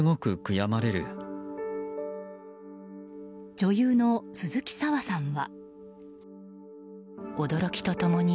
女優の鈴木砂羽さんは。